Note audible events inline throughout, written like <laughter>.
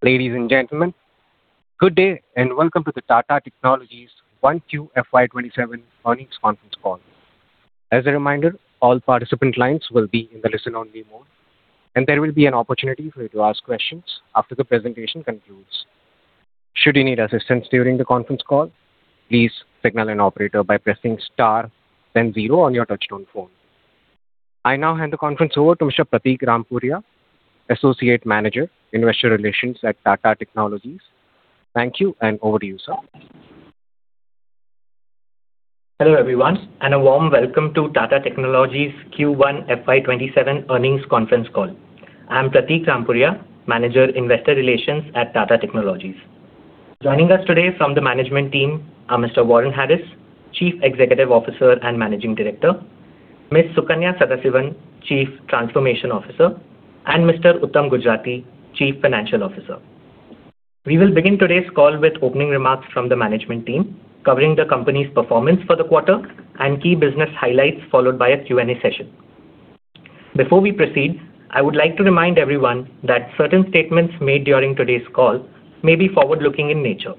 Ladies and gentlemen, good day and welcome to the Tata Technologies 1Q FY 2027 Earnings Conference Call. As a reminder, all participant lines will be in the listen-only mode, and there will be an opportunity for you to ask questions after the presentation concludes. Should you need assistance during the conference call, please signal an operator by pressing star then zero on your touch-tone phone. I now hand the conference over to Mr. Prateek Rampuria, Associate Manager, Investor Relations at Tata Technologies. Thank you, and over to you, sir. Hello, everyone, a warm welcome to Tata Technologies Q1 FY 2027 Earnings Conference Call. I'm Prateek Rampuria, Manager, Investor Relations at Tata Technologies. Joining us today from the management team are Mr. Warren Harris, Chief Executive Officer and Managing Director, Ms. Sukanya Sadasivan, Chief Operating Officer, Mr. Uttam Gujrati, Chief Financial Officer. We will begin today's call with opening remarks from the management team, covering the company's performance for the quarter and key business highlights, followed by a Q&A session. Before we proceed, I would like to remind everyone that certain statements made during today's call may be forward-looking in nature.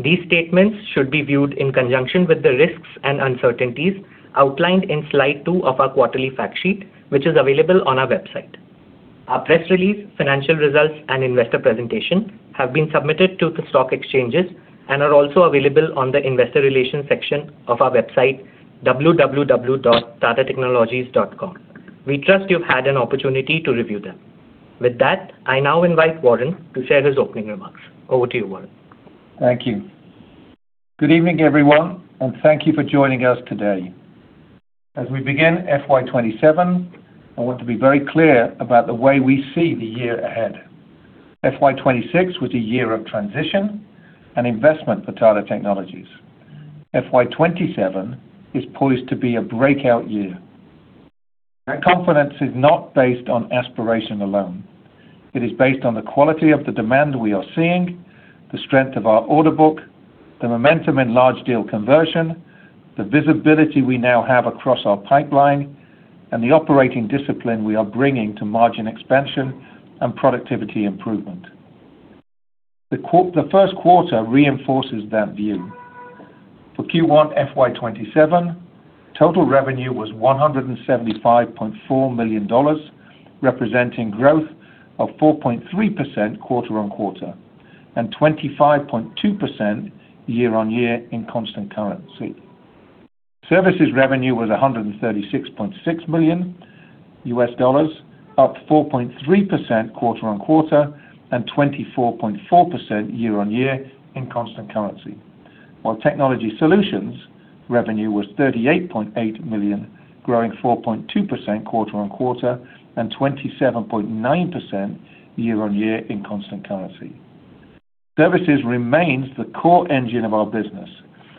These statements should be viewed in conjunction with the risks and uncertainties outlined in slide two of our quarterly fact sheet, which is available on our website. Our press release, financial results, and investor presentation have been submitted to the stock exchanges and are also available on the investor relations section of our website, www.tatatechnologies.com. We trust you've had an opportunity to review them. With that, I now invite Warren to share his opening remarks. Over to you, Warren. Thank you. Good evening, everyone, thank you for joining us today. As we begin FY 2027, I want to be very clear about the way we see the year ahead. FY 2026 was a year of transition and investment for Tata Technologies. FY 2027 is poised to be a breakout year. That confidence is not based on aspiration alone. It is based on the quality of the demand we are seeing, the strength of our order book, the momentum in large deal conversion, the visibility we now have across our pipeline, and the operating discipline we are bringing to margin expansion and productivity improvement. The first quarter reinforces that view. For Q1 FY 2027, total revenue was $175.4 million, representing growth of 4.3% quarter-on-quarter and 25.2% year-on-year in constant currency. Services revenue was $136.6 million, up 4.3% quarter-on-quarter and 24.4% year-on-year in constant currency. While technology solutions revenue was $38.8 million, growing 4.2% quarter-on-quarter and 27.9% year-on-year in constant currency. Services remains the core engine of our business,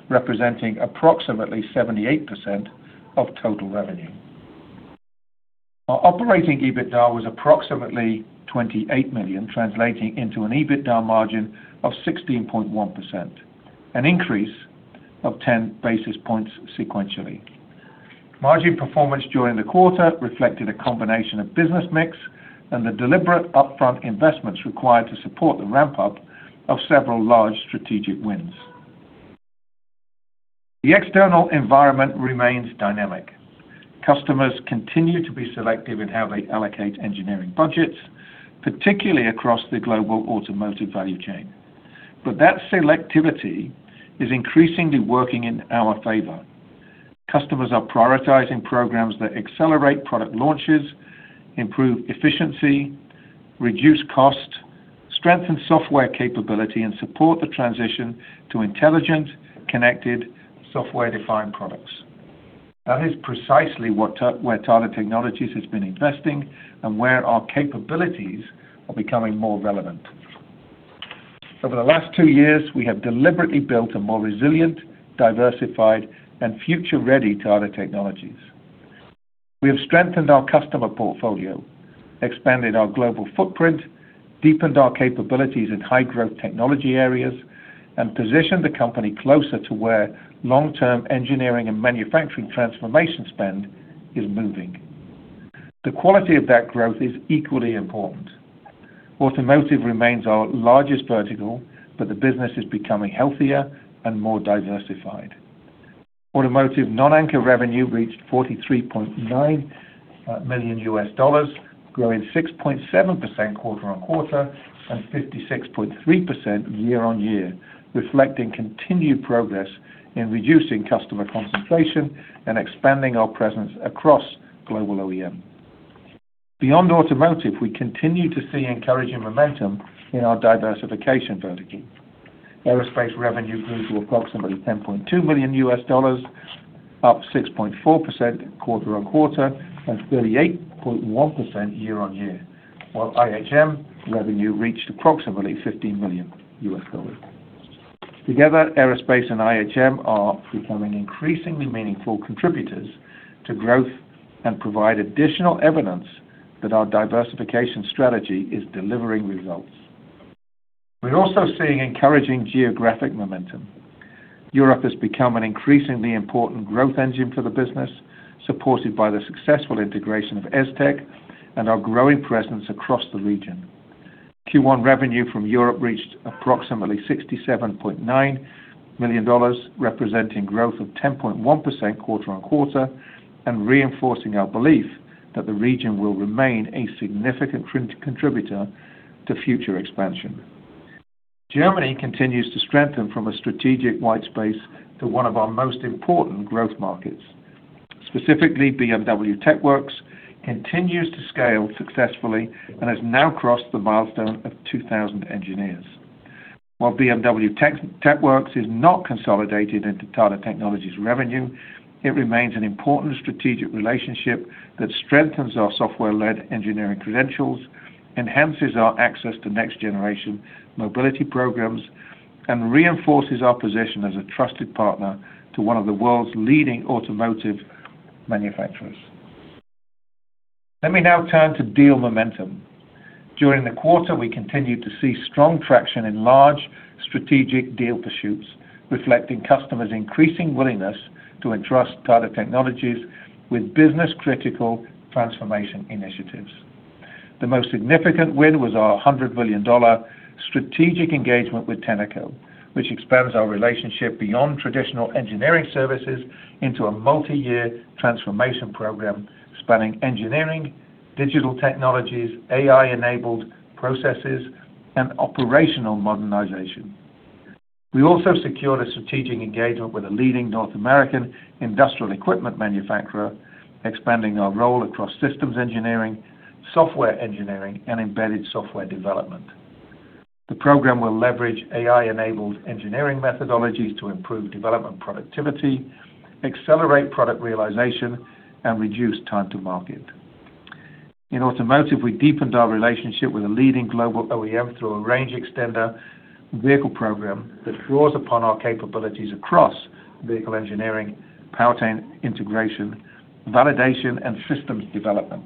representing approximately 78% of total revenue. Our operating EBITDA was approximately $28 million, translating into an EBITDA margin of 16.1%, an increase of 10 basis points sequentially. Margin performance during the quarter reflected a combination of business mix and the deliberate upfront investments required to support the ramp-up of several large strategic wins. The external environment remains dynamic. Customers continue to be selective in how they allocate engineering budgets, particularly across the global automotive value chain. That selectivity is increasingly working in our favor. Customers are prioritizing programs that accelerate product launches, improve efficiency, reduce cost, strengthen software capability, and support the transition to intelligent, connected, software-defined products. That is precisely where Tata Technologies has been investing and where our capabilities are becoming more relevant. Over the last two years, we have deliberately built a more resilient, diversified, and future-ready Tata Technologies. We have strengthened our customer portfolio, expanded our global footprint, deepened our capabilities in high-growth technology areas, and positioned the company closer to where long-term engineering and manufacturing transformation spend is moving. The quality of that growth is equally important. Automotive remains our largest vertical, the business is becoming healthier and more diversified. Automotive non-anchor revenue reached $43.9 million, growing 6.7% quarter-on-quarter and 56.3% year-on-year, reflecting continued progress in reducing customer concentration and expanding our presence across global OEM. Beyond automotive, we continue to see encouraging momentum in our diversification vertical. Aerospace revenue grew to approximately $10.2 million, up 6.4% quarter-on-quarter and 38.1% year-on-year. While IHM revenue reached approximately $15 million. Together, aerospace and IHM are becoming increasingly meaningful contributors to growth and provide additional evidence that our diversification strategy is delivering results. We are also seeing encouraging geographic momentum. Europe has become an increasingly important growth engine for the business, supported by the successful integration of Es-Tec and our growing presence across the region. Q1 revenue from Europe reached approximately $67.9 million, representing growth of 10.1% quarter-on-quarter, and reinforcing our belief that the region will remain a significant contributor to future expansion. Germany continues to strengthen from a strategic white space to one of our most important growth markets. Specifically, BMW TechWorks continues to scale successfully and has now crossed the milestone of 2,000 engineers. While BMW TechWorks is not consolidated into Tata Technologies revenue, it remains an important strategic relationship that strengthens our software-led engineering credentials, enhances our access to next-generation mobility programs, and reinforces our position as a trusted partner to one of the world's leading automotive manufacturers. Let me now turn to deal momentum. During the quarter, we continued to see strong traction in large strategic deal pursuits, reflecting customers' increasing willingness to entrust Tata Technologies with business-critical transformation initiatives. The most significant win was our $100 million strategic engagement with Tenneco, which expands our relationship beyond traditional engineering services into a multi-year transformation program spanning engineering, digital technologies, AI-enabled processes, and operational modernization. We also secured a strategic engagement with a leading North American industrial equipment manufacturer, expanding our role across systems engineering, software engineering, and embedded software development. The program will leverage AI-enabled engineering methodologies to improve development productivity, accelerate product realization, and reduce time to market. In automotive, we deepened our relationship with a leading global OEM through a range extender vehicle program that draws upon our capabilities across vehicle engineering, powertrain integration, validation, and systems development.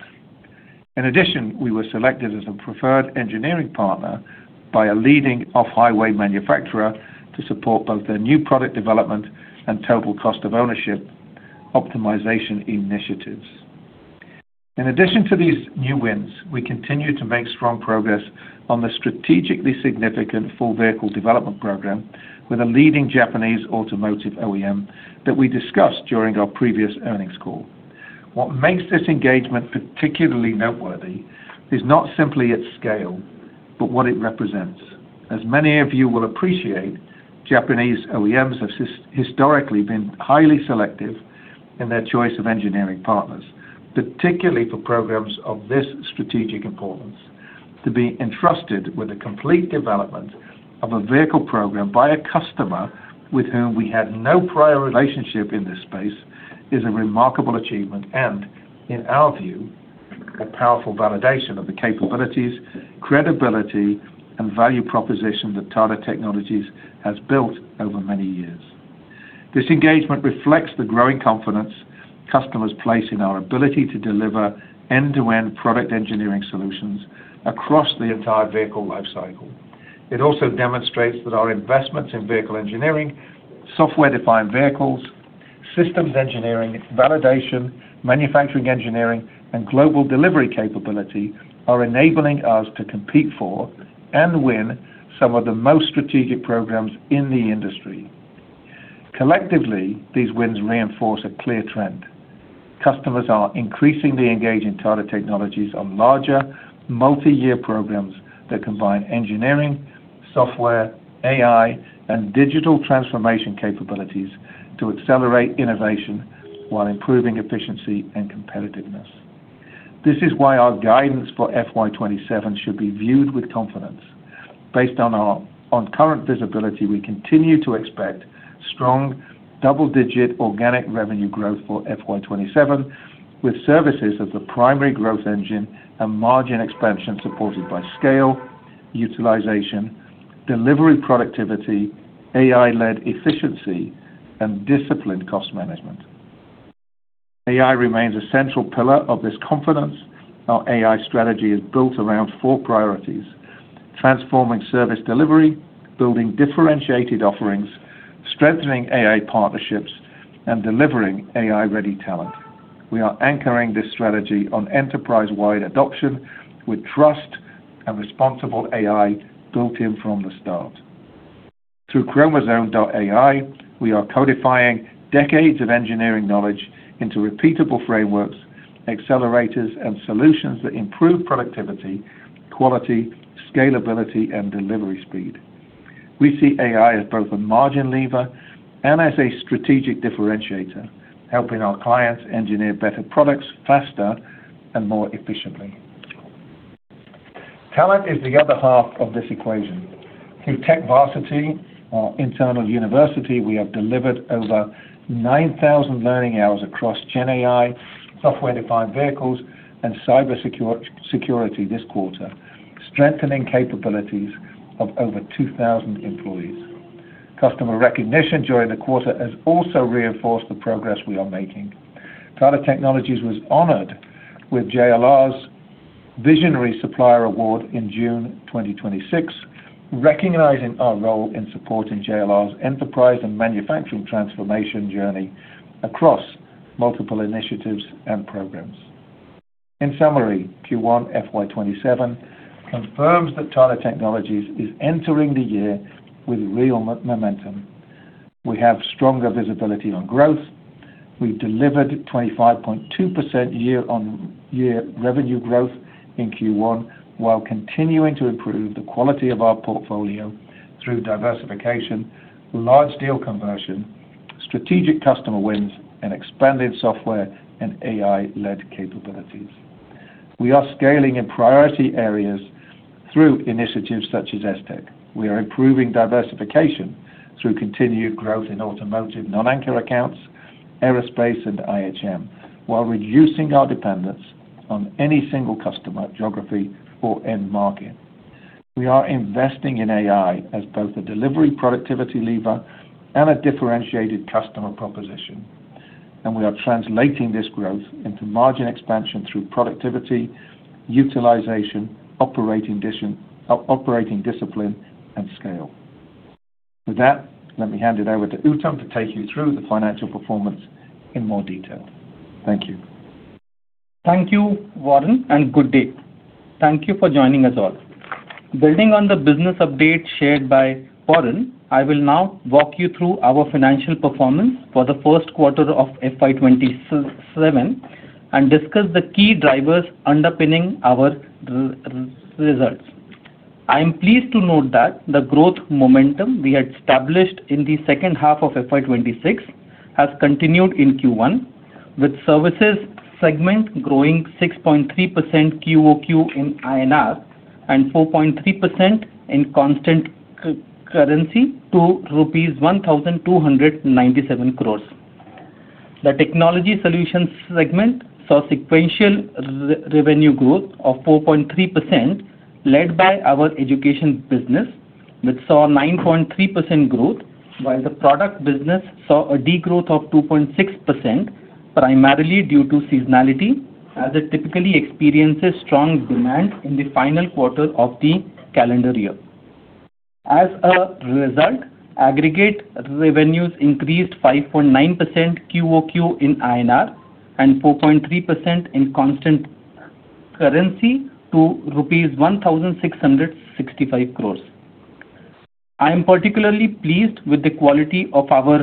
In addition, we were selected as a preferred engineering partner by a leading off-highway manufacturer to support both their new product development and total cost of ownership optimization initiatives. In addition to these new wins, we continue to make strong progress on the strategically significant full vehicle development program with a leading Japanese automotive OEM that we discussed during our previous earnings call. What makes this engagement particularly noteworthy is not simply its scale, but what it represents. As many of you will appreciate, Japanese OEMs have historically been highly selective in their choice of engineering partners, particularly for programs of this strategic importance. To be entrusted with the complete development of a vehicle program by a customer with whom we had no prior relationship in this space is a remarkable achievement and, in our view, a powerful validation of the capabilities, credibility, and value proposition that Tata Technologies has built over many years. This engagement reflects the growing confidence customers place in our ability to deliver end-to-end product engineering solutions across the entire vehicle life cycle. It also demonstrates that our investments in vehicle engineering, software-defined vehicles, systems engineering, validation, manufacturing engineering, and global delivery capability are enabling us to compete for and win some of the most strategic programs in the industry. Collectively, these wins reinforce a clear trend. Customers are increasingly engaging Tata Technologies on larger, multi-year programs that combine engineering, software, AI, and digital transformation capabilities to accelerate innovation while improving efficiency and competitiveness. This is why our guidance for FY 2027 should be viewed with confidence. Based on current visibility, we continue to expect strong double-digit organic revenue growth for FY 2027, with services as the primary growth engine and margin expansion supported by scale, utilization, delivery productivity, AI-led efficiency, and disciplined cost management. AI remains a central pillar of this confidence. Our AI strategy is built around four priorities: transforming service delivery, building differentiated offerings, strengthening AI partnerships, and delivering AI-ready talent. We are anchoring this strategy on enterprise-wide adoption with trust and responsible AI built in from the start. Through Chromosome, we are codifying decades of engineering knowledge into repeatable frameworks, accelerators, and solutions that improve productivity, quality, scalability, and delivery speed. We see AI as both a margin lever and as a strategic differentiator, helping our clients engineer better products faster and more efficiently. Talent is the other half of this equation. Through TechVarsity, our internal university, we have delivered over 9,000 learning hours across GenAI, software-defined vehicles, and cybersecurity this quarter, strengthening capabilities of over 2,000 employees. Customer recognition during the quarter has also reinforced the progress we are making. Tata Technologies was honored with JLR's Visionary Supplier Award in June 2026, recognizing our role in supporting JLR's enterprise and manufacturing transformation journey across multiple initiatives and programs. In summary, Q1 FY 2027 confirms that Tata Technologies is entering the year with real momentum. We have stronger visibility on growth. We've delivered 25.2% year-on-year revenue growth in Q1, while continuing to improve the quality of our portfolio through diversification, large deal conversion, strategic customer wins, and expanded software and AI-led capabilities. We are scaling in priority areas through initiatives such as Es-Tec. We are improving diversification through continued growth in automotive non-anchor accounts, aerospace, and IHM, while reducing our dependence on any single customer geography or end market. We are investing in AI as both a delivery productivity lever and a differentiated customer proposition. We are translating this growth into margin expansion through productivity, utilization, operating discipline, and scale. With that, let me hand it over to Uttam to take you through the financial performance in more detail. Thank you. Thank you, Warren. Good day. Thank you for joining us all. Building on the business update shared by Warren, I will now walk you through our financial performance for the first quarter of FY 2027 and discuss the key drivers underpinning our results. I am pleased to note that the growth momentum we had established in the second half of FY 2026 has continued in Q1, with services segment growing 6.3% QOQ in INR, and 4.3% in constant currency to rupees 1,297 crores. The technology solutions segment saw sequential revenue growth of 4.3%, led by our education business, which saw 9.3% growth, while the product business saw a degrowth of 2.6%, primarily due to seasonality, as it typically experiences strong demand in the final quarter of the calendar year. As a result, aggregate revenues increased 5.9% QOQ in INR, and 4.3% in constant currency to rupees 1,665 crores. I am particularly pleased with the quality of our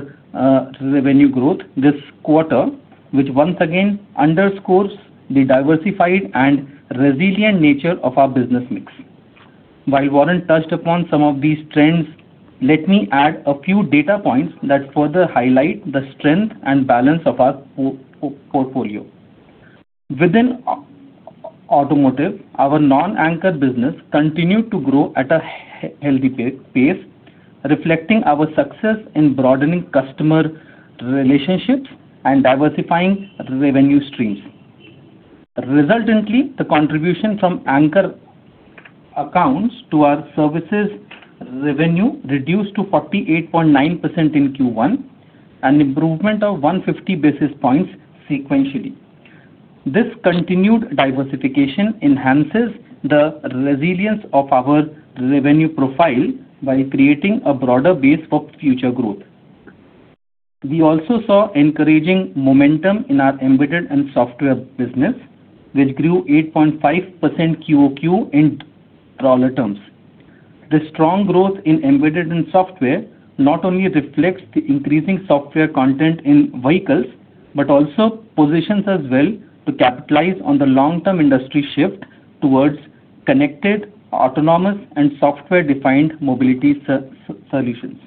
revenue growth this quarter, which once again underscores the diversified and resilient nature of our business mix. While Warren touched upon some of these trends, let me add a few data points that further highlight the strength and balance of our portfolio. Within automotive, our non-anchor business continued to grow at a healthy pace, reflecting our success in broadening customer relationships and diversifying revenue streams. Resultantly, the contribution from anchor accounts to our services revenue reduced to 48.9% in Q1, an improvement of 150 basis points sequentially. This continued diversification enhances the resilience of our revenue profile by creating a broader base for future growth. We also saw encouraging momentum in our embedded and software business, which grew 8.5% QOQ in dollar terms. The strong growth in embedded and software not only reflects the increasing software content in vehicles, but also positions us well to capitalize on the long-term industry shift towards connected, autonomous, and software-defined mobility solutions.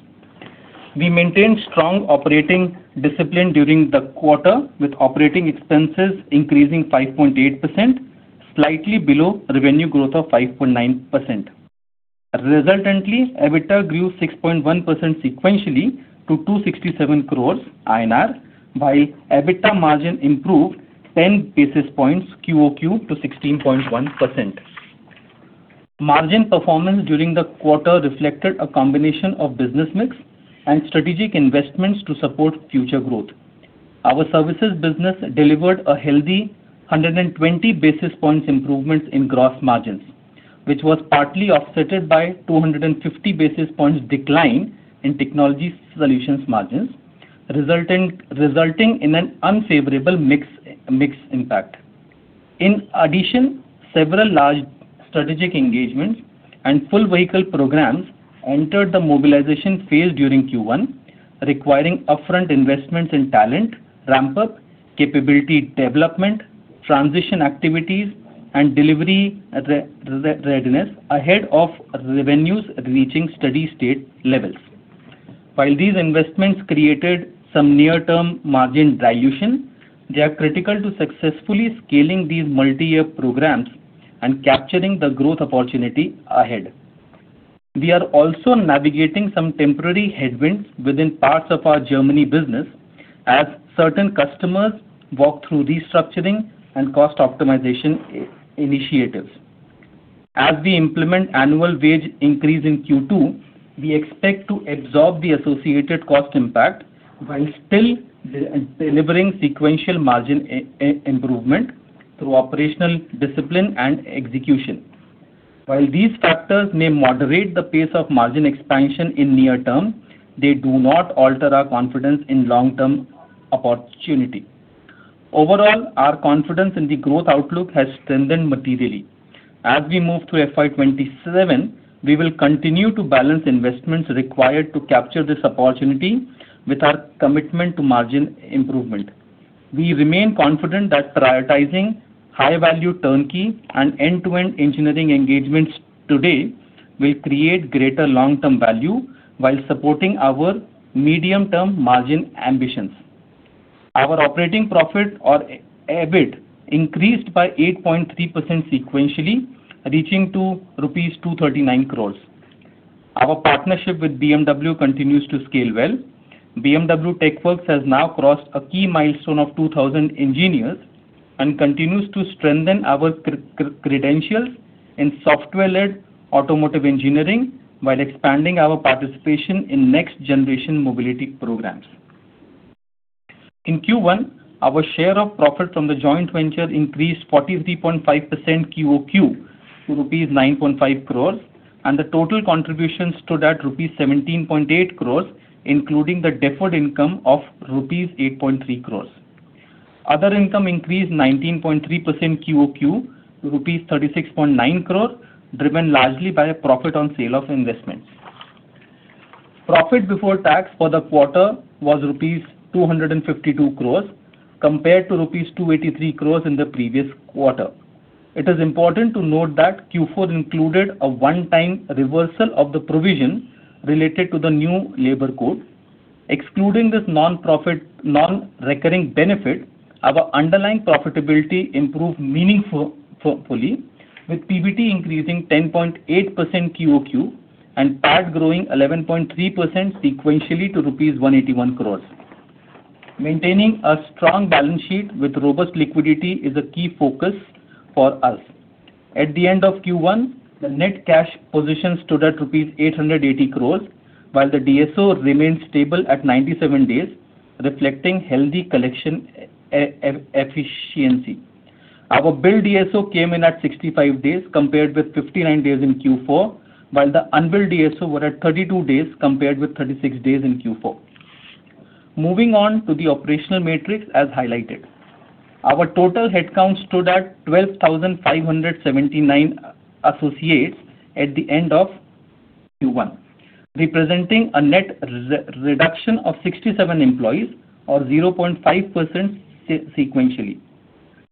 We maintained strong operating discipline during the quarter, with operating expenses increasing 5.8%, slightly below revenue growth of 5.9%. Resultantly, EBITDA grew 6.1% sequentially to 267 crores INR, while EBITDA margin improved 10 basis points QOQ to 16.1%. Margin performance during the quarter reflected a combination of business mix and strategic investments to support future growth. Our services business delivered a healthy 120 basis points improvement in gross margins, which was partly offset by 250 basis points decline in technology solutions margins, resulting in an unfavorable mix impact. In addition, several large strategic engagements and full vehicle programs entered the mobilization phase during Q1, requiring upfront investments in talent, ramp-up, capability development, transition activities, and delivery readiness ahead of revenues reaching steady-state levels. While these investments created some near-term margin dilution, they are critical to successfully scaling these multiyear programs and capturing the growth opportunity ahead. We are also navigating some temporary headwinds within parts of our Germany business as certain customers walk through restructuring and cost optimization initiatives. As we implement annual wage increase in Q2, we expect to absorb the associated cost impact while still delivering sequential margin improvement through operational discipline and execution. While these factors may moderate the pace of margin expansion in near-term, they do not alter our confidence in long-term opportunity. Overall, our confidence in the growth outlook has strengthened materially. As we move to FY 2027, we will continue to balance investments required to capture this opportunity with our commitment to margin improvement. We remain confident that prioritizing high-value turnkey and end-to-end engineering engagements today will create greater long-term value while supporting our medium-term margin ambitions. Our operating profit or EBIT increased by 8.3% sequentially, reaching to rupees 239 crores. Our partnership with BMW continues to scale well. BMW TechWorks has now crossed a key milestone of 2,000 engineers and continues to strengthen our credentials in software-led automotive engineering while expanding our participation in next-generation mobility programs. In Q1, our share of profit from the joint venture increased 43.5% QOQ to rupees 9.5 crores, and the total contributions stood at rupees 17.8 crores, including the deferred income of rupees 8.3 crores. Other income increased 19.3% QOQ to rupees 36.9 crores, driven largely by profit on sale of investments. Profit before tax for the quarter was rupees 252 crores compared to rupees 283 crores in the previous quarter. It is important to note that Q4 included a one-time reversal of the provision related to the New Labour Codes. Excluding this non-recurring benefit, our underlying profitability improved meaningfully with PBT increasing 10.8% QOQ and PAT growing 11.3% sequentially to rupees 181 crores. Maintaining a strong balance sheet with robust liquidity is a key focus for us. At the end of Q1, the net cash position stood at rupees 880 crores, while the DSO remained stable at 97 days, reflecting healthy collection efficiency. Our bill DSO came in at 65 days compared with 59 days in Q4, while the unbilled DSO were at 32 days compared with 36 days in Q4. Moving on to the operational matrix as highlighted. Our total headcount stood at 12,579 associates at the end of Q1, representing a net reduction of 67 employees or 0.5% sequentially.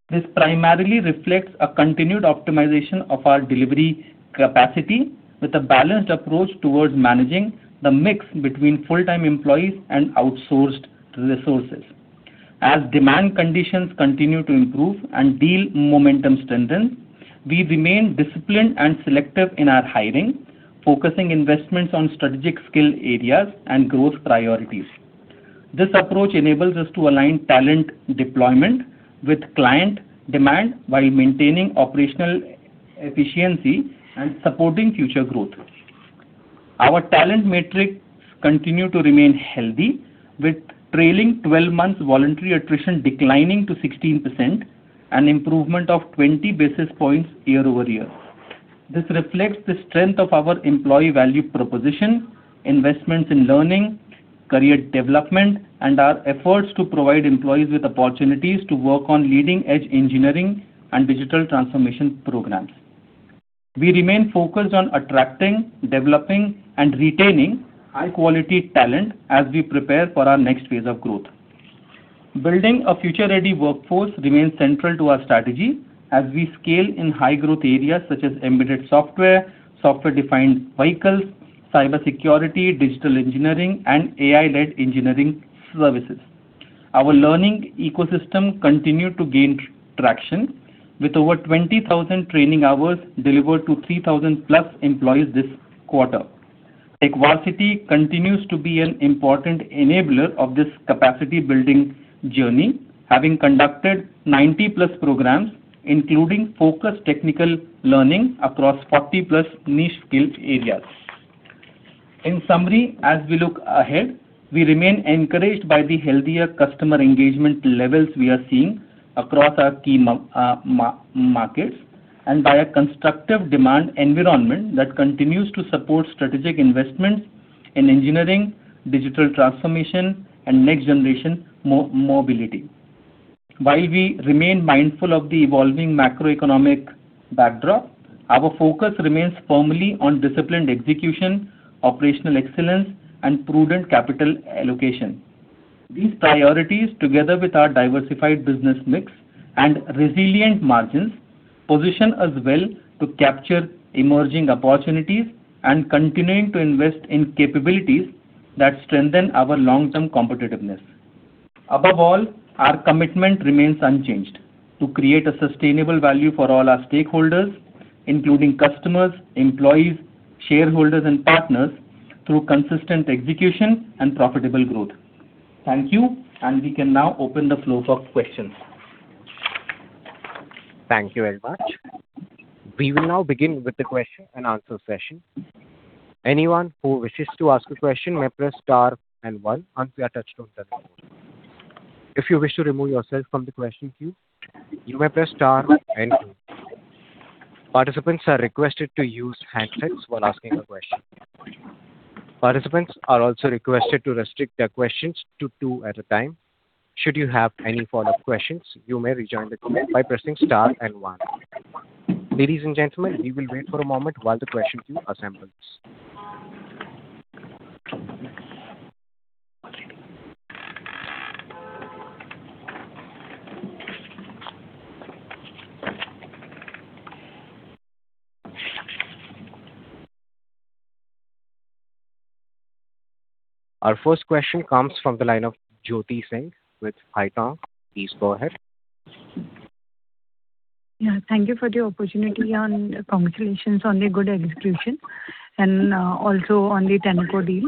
This primarily reflects a continued optimization of our delivery capacity with a balanced approach towards managing the mix between full-time employees and outsourced resources. As demand conditions continue to improve and deal momentum strengthens, we remain disciplined and selective in our hiring, focusing investments on strategic skill areas and growth priorities. This approach enables us to align talent deployment with client demand while maintaining operational efficiency and supporting future growth. Our talent metrics continue to remain healthy with trailing 12 months voluntary attrition declining to 16%, an improvement of 20 basis points year-over-year. This reflects the strength of our employee value proposition, investments in learning, career development, and our efforts to provide employees with opportunities to work on leading-edge engineering and digital transformation programs. We remain focused on attracting, developing, and retaining high-quality talent as we prepare for our next phase of growth. Building a future-ready workforce remains central to our strategy as we scale in high-growth areas such as embedded software-defined vehicles, cybersecurity, digital engineering, and AI-led engineering services. Our learning ecosystem continued to gain traction with over 20,000 training hours delivered to 3,000-plus employees this quarter. TechVarsity continues to be an important enabler of this capacity-building journey, having conducted 90-plus programs, including focused technical learning across 40-plus niche skilled areas. In summary, as we look ahead, we remain encouraged by the healthier customer engagement levels we are seeing across our key markets and by a constructive demand environment that continues to support strategic investments in engineering, digital transformation, and next-generation mobility. While we remain mindful of the evolving macroeconomic backdrop, our focus remains firmly on disciplined execution, operational excellence, and prudent capital allocation. These priorities, together with our diversified business mix and resilient margins, position us well to capture emerging opportunities and continuing to invest in capabilities that strengthen our long-term competitiveness. Above all, our commitment remains unchanged: to create a sustainable value for all our stakeholders, including customers, employees, shareholders, and partners, through consistent execution and profitable growth. Thank you. We can now open the floor for questions. Thank you very much. We will now begin with the question and answer session. Anyone who wishes to ask a question may press star and one once we are touched on today. If you wish to remove yourself from the question queue, you may press star and two. Participants are requested to use hashtags while asking a question. Participants are also requested to restrict their questions to two at a time. Should you have any follow-up questions, you may rejoin the queue by pressing star and one. Ladies and gentlemen, we will wait for a moment while the question queue assembles. Our first question comes from the line of Jyoti Singh with Haitong. Please go ahead. Yeah. Thank you for the opportunity and congratulations on the good execution and also on the Tenneco deal.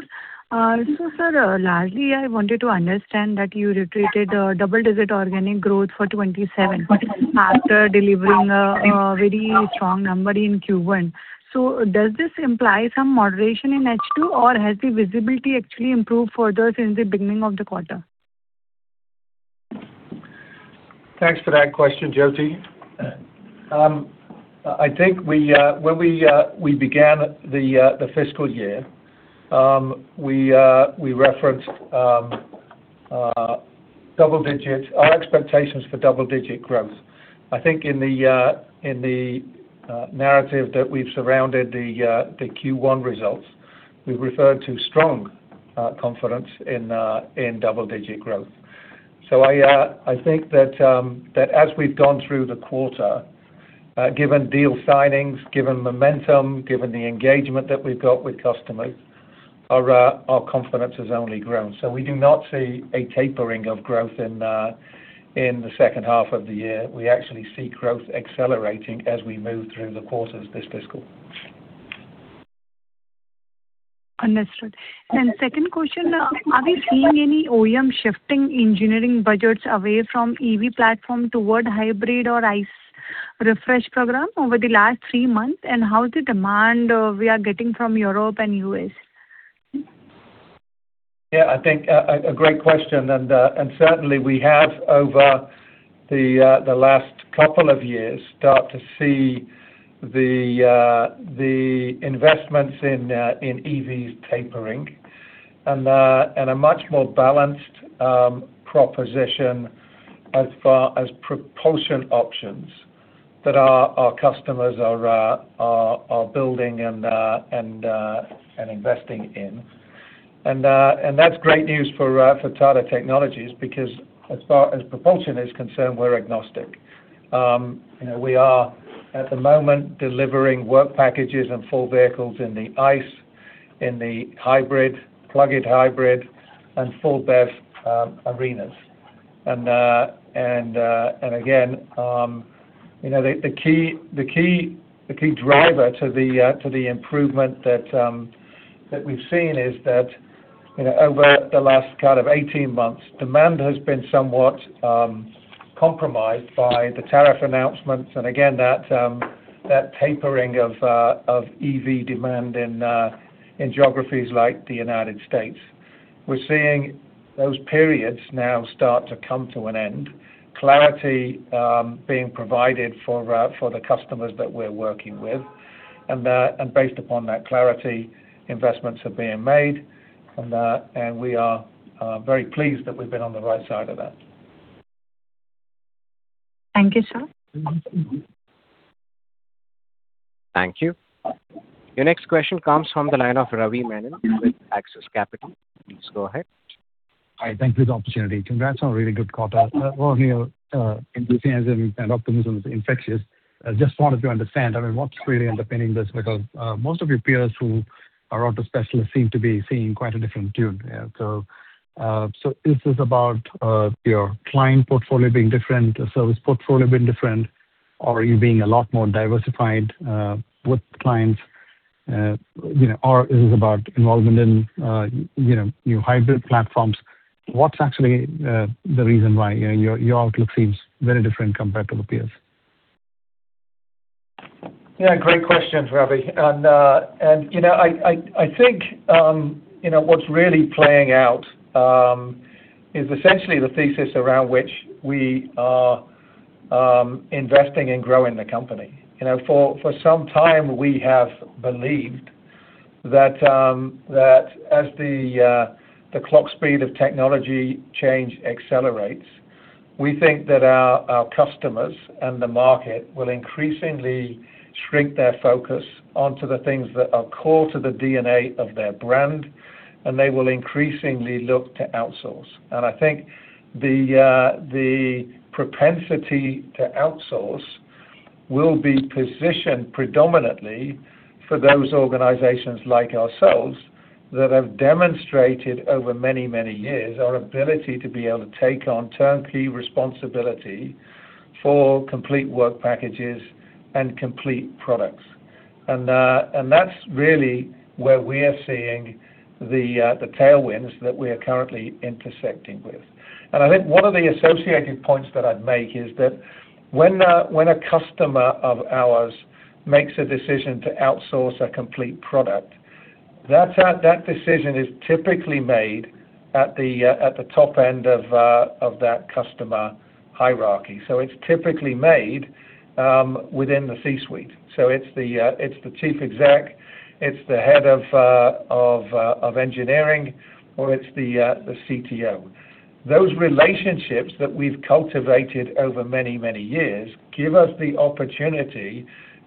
Sir, largely, I wanted to understand that you retreated double-digit organic growth for 2027 after delivering a very strong number in Q1. Does this imply some moderation in H2, or has the visibility actually improved further since the beginning of the quarter? Thanks for that question, Jyoti. I think when we began the fiscal year, we referenced our expectations for double-digit growth. I think in the narrative that we've surrounded the Q1 results, we've referred to strong confidence in double-digit growth. I think that as we've gone through the quarter, given deal signings, given momentum, given the engagement that we've got with customers, our confidence has only grown. We do not see a tapering of growth in the second half of the year. We actually see growth accelerating as we move through the quarters this fiscal. Understood. Second question, are we seeing any OEM shifting engineering budgets away from EV platform toward hybrid or ICE refresh program over the last three months? How is the demand we are getting from Europe and U.S.? I think a great question, certainly we have, over the last couple of years, start to see the investments in EVs tapering and a much more balanced proposition as far as propulsion options that our customers are building and investing in. That's great news for Tata Technologies because as propulsion is concerned, we're agnostic. We are, at the moment, delivering work packages and full vehicles in the ICE, in the hybrid, plug-in hybrid and full BEV arenas. Again, the key driver to the improvement that we've seen is that over the last kind of 18 months, demand has been somewhat compromised by the tariff announcements and again, that tapering of EV demand in geographies like the United States. We're seeing those periods now start to come to an end, clarity being provided for the customers that we're working with, and based upon that clarity, investments are being made, and we are very pleased that we've been on the right side of that. Thank you, sir. Thank you. Your next question comes from the line of Ravi Menon with Axis Capital. Please go ahead. Hi, thank you for the opportunity. Congrats on a really good quarter. Overall your enthusiasm and optimism is infectious. Just wanted to understand, what's really underpinning this, because most of your peers who are auto specialists seem to be singing quite a different tune. This is about your client portfolio being different, service portfolio being different, or are you being a lot more diversified with clients? Or is this about involvement in new hybrid platforms? What's actually the reason why your outlook seems very different compared to the peers? Yeah, great questions, Ravi. I think what's really playing out is essentially the thesis around which we are investing and growing the company. For some time, we have believed that as the clock speed of technology change accelerates, we think that our customers and the market will increasingly shrink their focus onto the things that are core to the DNA of their brand, and they will increasingly look to outsource. I think the propensity to outsource will be positioned predominantly for those organizations like ourselves that have demonstrated over many, many years our ability to be able to take on turnkey responsibility for complete work packages and complete products. That's really where we're seeing the tailwinds that we are currently intersecting with. one of the associated points that I'd make is that when a customer of ours makes a decision to outsource a complete product, that decision is typically made at the top end of that customer hierarchy. It's typically made within the C-suite. It's the chief exec, it's the head of engineering, or it's the CTO. Those relationships that we've cultivated over many, many years give us the opportunity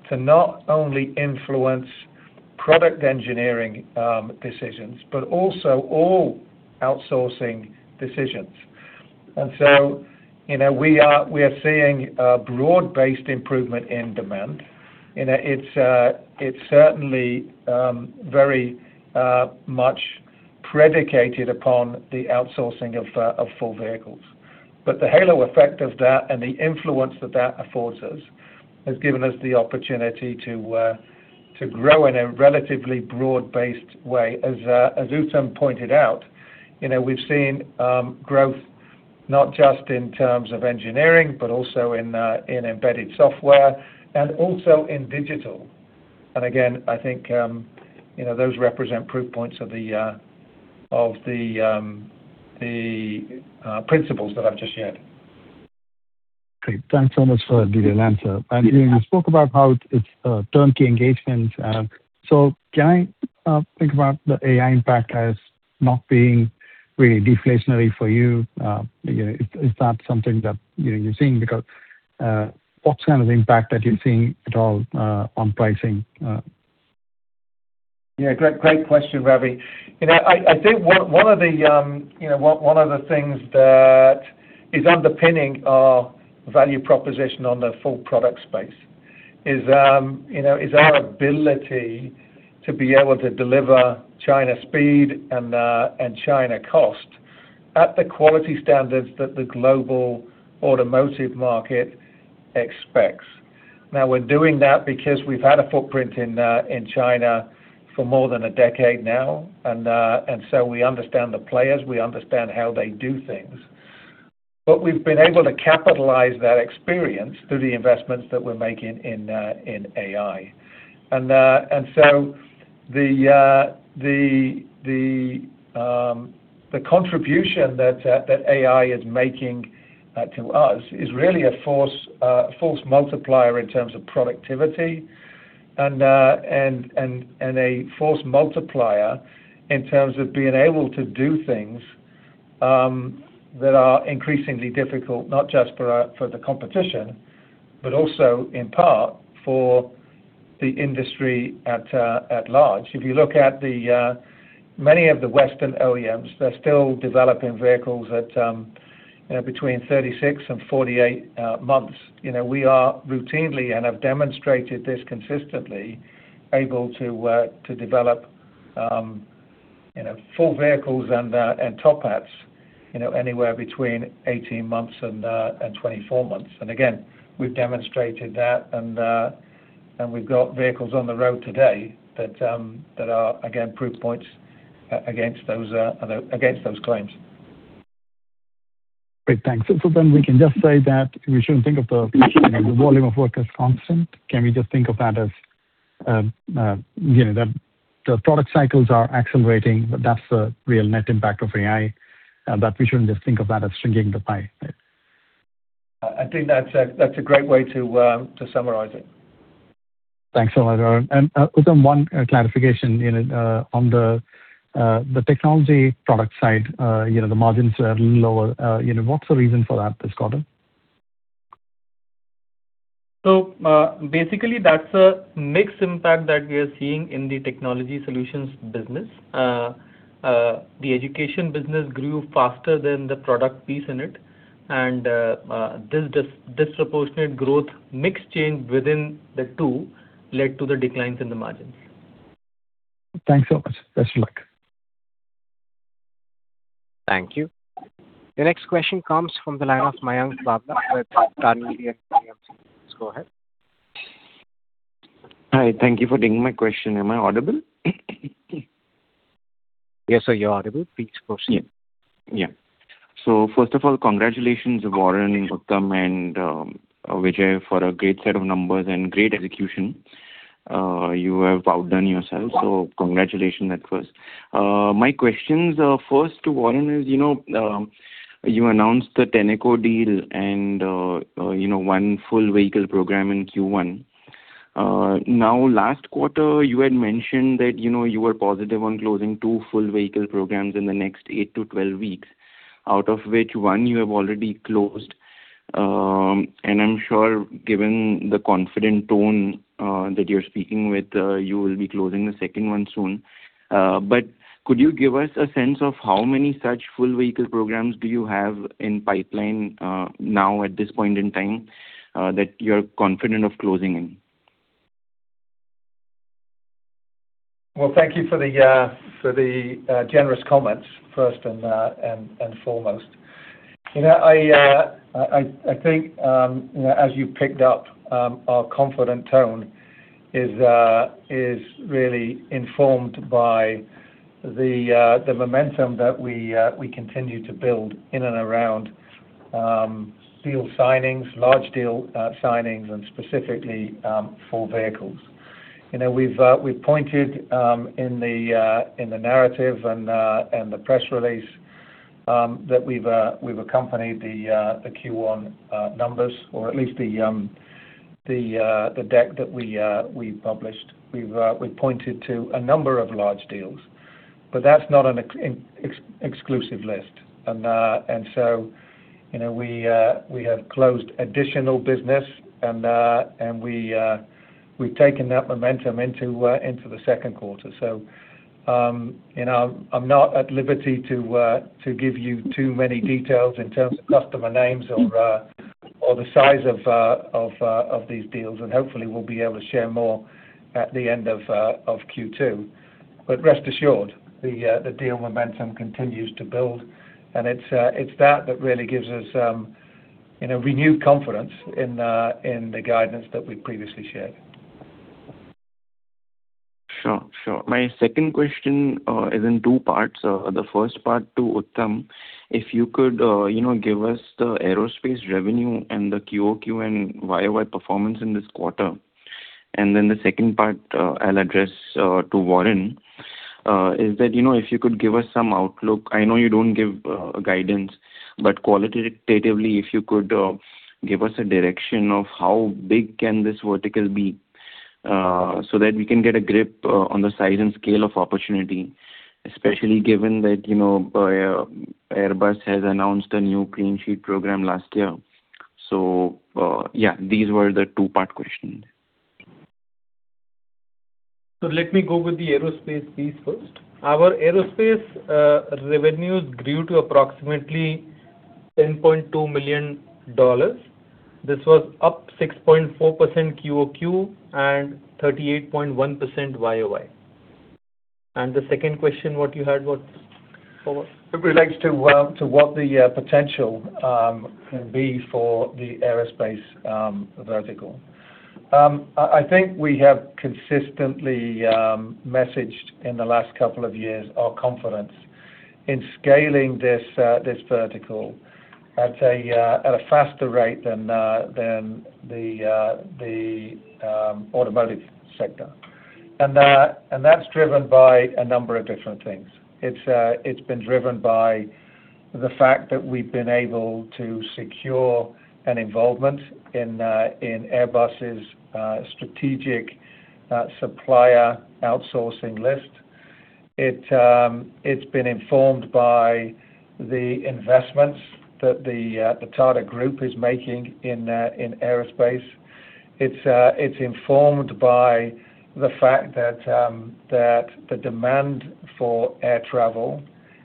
to not only influence product engineering decisions, but also all outsourcing decisions. We are seeing a broad-based improvement in demand. It's certainly very much predicated upon the outsourcing of full vehicles. The halo effect of that and the influence that that affords us has given us the opportunity to grow in a relatively broad-based way. As Uttam pointed out, we've seen growth not just in terms of engineering, but also in embedded software and also in digital. I think those represent proof points of the principles that I've just shared. Great. Thanks so much for the answer. You spoke about how it's turnkey engagement. Can I think about the AI impact as not being really deflationary for you? Is that something that you're seeing? Because what kind of impact are you seeing at all on pricing? Great question, Ravi. I think one of the things that is underpinning our value proposition on the full product space is our ability to be able to deliver China speed and China cost at the quality standards that the global automotive market expects. We're doing that because we've had a footprint in China for more than a decade now, we understand the players, we understand how they do things. We've been able to capitalize that experience through the investments that we're making in AI. The contribution that AI is making to us is really a force multiplier in terms of productivity and a force multiplier in terms of being able to do things that are increasingly difficult, not just for the competition, but also in part for the industry at large. If you look at many of the Western OEMs, they're still developing vehicles at between 36 and 48 months. We are routinely, and have demonstrated this consistently, able to develop full vehicles and top hats anywhere between 18 months and 24 months. Again, we've demonstrated that, and we've got vehicles on the road today that are, again, proof points against those claims. Great, thanks. We can just say that we shouldn't think of the volume of work as constant. Can we just think of that as the product cycles are accelerating, but that's the real net impact of AI? That we shouldn't just think of that as shrinking the pie, right? I think that's a great way to summarize it. Thanks so much, Warren. Uttam, one clarification on the technology product side, the margins are a little lower. What's the reason for that this quarter? Basically, that's a mixed impact that we are seeing in the technology solutions business. The education business grew faster than the product piece in it, and this disproportionate growth mix change within the two led to the declines in the margins. Thanks so much. Best of luck. Thank you. The next question comes from the line of Mayank Batra with. <audio distortion> Please go ahead. Hi, thank you for taking my question. Am I audible? Yes, sir, you're audible. Please proceed. First of all, congratulations, Warren, Uttam, and Vijay for a great set of numbers and great execution. You have outdone yourselves, so congratulations at first. My questions are first to Warren is, you announced the Tenneco deal and one full vehicle program in Q1. Last quarter, you had mentioned that you were positive on closing two full vehicle programs in the next eight to 12 weeks, out of which one you have already closed. I'm sure given the confident tone that you're speaking with, you will be closing the second one soon. Could you give us a sense of how many such full vehicle programs do you have in pipeline now at this point in time that you're confident of closing in? Well, thank you for the generous comments first and foremost. I think, as you picked up, our confident tone is really informed by the momentum that we continue to build in and around deal signings, large deal signings, and specifically for vehicles. We've pointed in the narrative and the press release that we've accompanied the Q1 numbers or at least the deck that we published. We've pointed to a number of large deals, but that's not an exclusive list. We have closed additional business, and we've taken that momentum into the second quarter. I'm not at liberty to give you too many details in terms of customer names or the size of these deals. Hopefully, we'll be able to share more at the end of Q2. Rest assured, the deal momentum continues to build, and it's that that really gives us renewed confidence in the guidance that we previously shared. Sure. My second question is in two parts. The first part to Uttam, if you could give us the aerospace revenue and the QOQ and YOY performance in this quarter. The second part I'll address to Warren, is that if you could give us some outlook. I know you don't give guidance, but qualitatively, if you could give us a direction of how big can this vertical be so that we can get a grip on the size and scale of opportunity. Especially given that Airbus has announced a new clean sheet program last year. These were the two-part questions. Let me go with the aerospace piece first. Our aerospace revenues grew to approximately $10.2 million. This was up 6.4% QOQ and 38.1% YOY. The second question, what you had, Warren? It relates to what the potential can be for the aerospace vertical. I think we have consistently messaged in the last couple of years our confidence in scaling this vertical at a faster rate than the automotive sector. That's driven by a number of different things. It's been driven by the fact that we've been able to secure an involvement in Airbus' strategic supplier outsourcing list. It's been informed by the investments that the Tata Group is making in aerospace. It's informed by the fact that the demand for air travel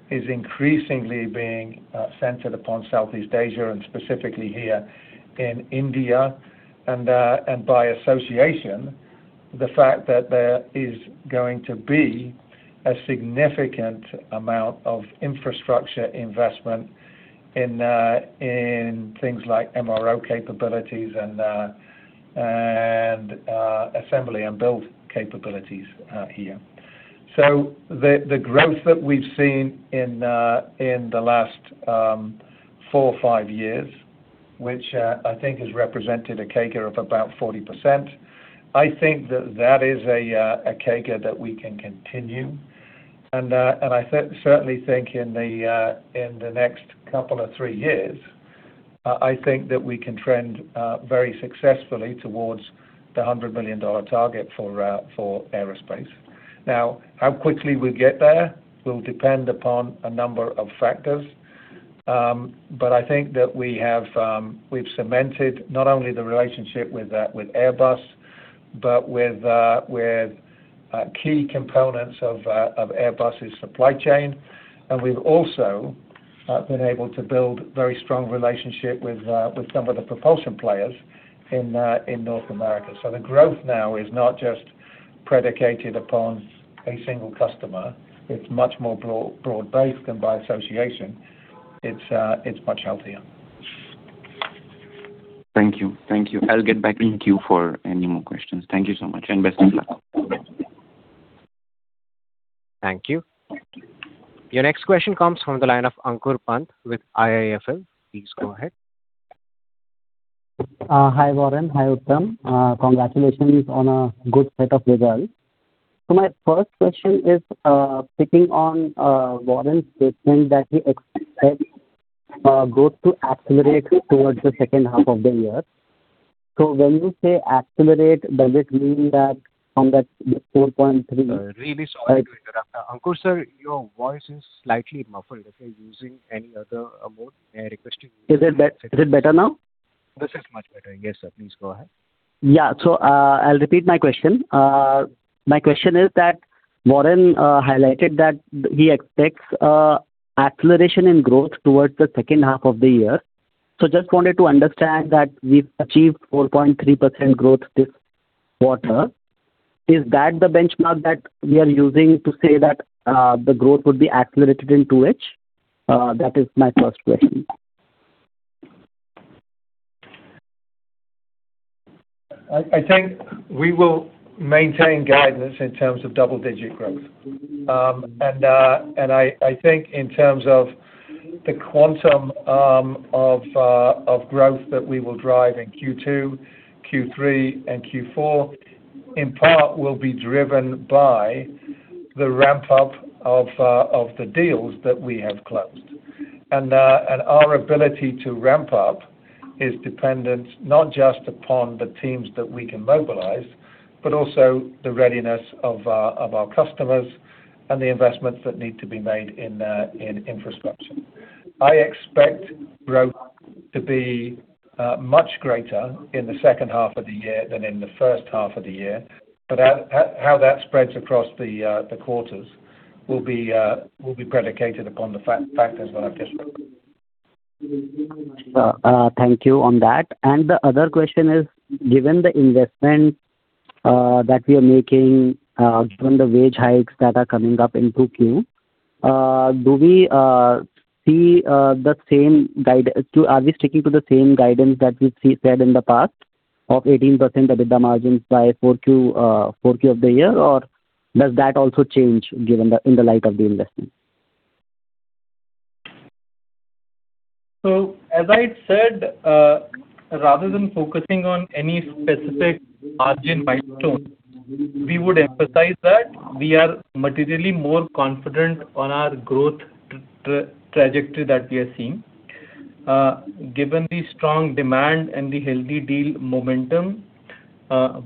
is increasingly being centered upon Southeast Asia and specifically here in India. By association, the fact that there is going to be a significant amount of infrastructure investment in things like MRO capabilities and assembly and build capabilities here. The growth that we've seen in the last four or five years, which I think has represented a CAGR of about 40%, I think that that is a CAGR that we can continue. I certainly think in the next couple or three years, I think that we can trend very successfully towards the $100 million target for aerospace. Now, how quickly we get there will depend upon a number of factors. I think that we've cemented not only the relationship with Airbus, but with key components of Airbus' supply chain. We've also been able to build a very strong relationship with some of the propulsion players in North America. The growth now is not just predicated upon a single customer. It's much more broad-based and by association, it's much healthier. Thank you. I'll get back in queue for any more questions. Thank you so much and best of luck. Thank you. Your next question comes from the line of Ankur Pant with IIFL. Please go ahead. Hi, Warren. Hi, Uttam. Congratulations on a good set of results. My first question is picking on Warren's statement that he expects growth to accelerate towards the second half of the year. When you say accelerate, does it mean that from that 4.3. Really sorry to interrupt. Ankur sir, your voice is slightly muffled. If you're using any other mode, may I request you to use. Is it better now? This is much better. Yes, sir, please go ahead. I'll repeat my question. My question is that Warren highlighted that he expects acceleration in growth towards the second half of the year. Just wanted to understand that we've achieved 4.3% growth this quarter. Is that the benchmark that we are using to say that the growth would be accelerated in 2H? That is my first question. I think we will maintain guidance in terms of double-digit growth. I think in terms of the quantum of growth that we will drive in Q2, Q3, and Q4, in part will be driven by the ramp-up of the deals that we have closed. Our ability to ramp up is dependent not just upon the teams that we can mobilize, but also the readiness of our customers and the investments that need to be made in infrastructure. I expect growth to be much greater in the second half of the year than in the first half of the year. How that spreads across the quarters will be predicated upon the factors that I've just described. Thank you on that. The other question is, given the investments that we are making, given the wage hikes that are coming up in 2Q, are we sticking to the same guidance that we said in the past, of 18% EBITDA margins by 4Q of the year? Does that also change in light of the investment? As I said, rather than focusing on any specific margin milestone, we would emphasize that we are materially more confident on our growth trajectory that we are seeing. Given the strong demand and the healthy deal momentum,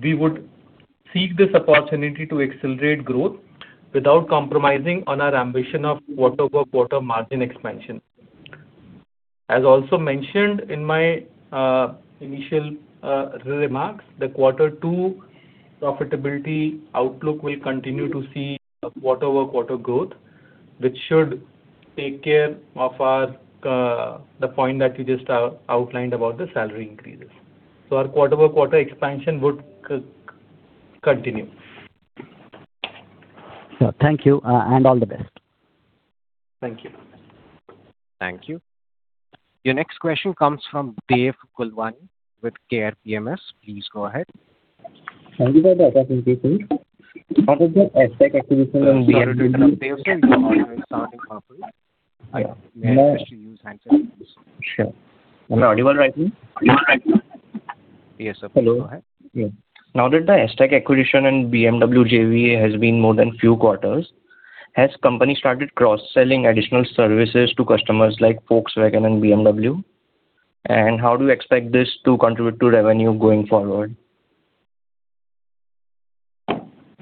we would seek this opportunity to accelerate growth without compromising on our ambition of quarter-over-quarter margin expansion. As also mentioned in my initial remarks, the quarter two profitability outlook will continue to see a quarter-over-quarter growth, which should take care of the point that you just outlined about the salary increases. Our quarter-over-quarter expansion would continue. Sure. Thank you, and all the best. Thank you. Thank you. Your next question comes from Dev Gulwani with Care PMS. Please go ahead. Thank you for the opportunity. Now that the Es-Tec acquisition and BMW JV. Sorry to interrupt, Sir. Your audio is sounding muffled. May I suggest you use handset please? Sure. Am I audible right now? Yes, sir. Please go ahead. Hello. Now that the Es-Tec acquisition and BMW JV has been more than few quarters, has company started cross-selling additional services to customers like Volkswagen and BMW? How do you expect this to contribute to revenue going forward?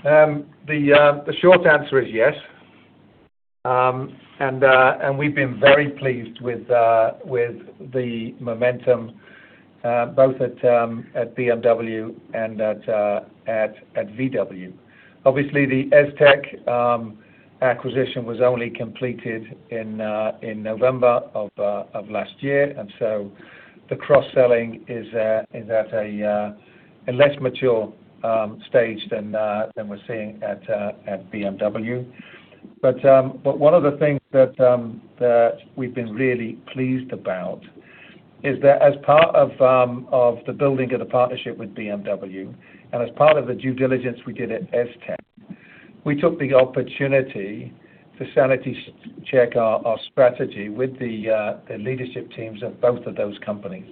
The short answer is yes. We've been very pleased with the momentum both at BMW and at VW. Obviously, the Es-Tec acquisition was only completed in November of last year, so the cross-selling is at a less mature stage than we're seeing at BMW. One of the things that we've been really pleased about is that as part of the building of the partnership with BMW, as part of the due diligence we did at Es-Tec, we took the opportunity to sanity check our strategy with the leadership teams of both of those companies.